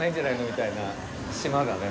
みたいな島だね。